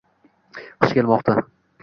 Qish kelmoqda